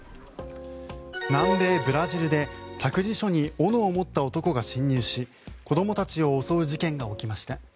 南米ブラジルで託児所に斧を持った男が侵入し子どもたちを襲う事件が起きました。